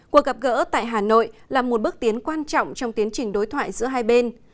cuộc gặp gỡ tại hà nội là một bước tiến quan trọng trong tiến trình đối thoại giữa hai bên